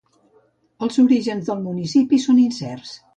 Els orígens del municipi són incerts.